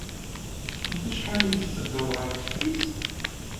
Ɣef wacḥal ay tettedduḍ ɣer teftist?